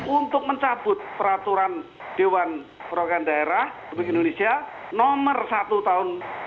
untuk mencabut peraturan dewan perwakilan daerah republik indonesia nomor satu tahun dua ribu dua puluh